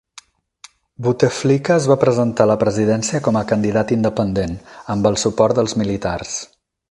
Bouteflika es va presentar a la presidència com a candidat independent, amb el suport dels militars.